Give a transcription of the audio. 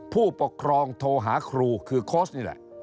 ผู้ปกครองโทรหาครูคือโค้ชนี่แหละ